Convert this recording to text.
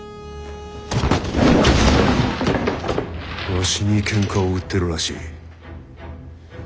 わしにけんかを売ってるらしい。